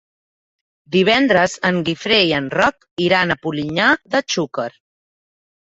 Divendres en Guifré i en Roc iran a Polinyà de Xúquer.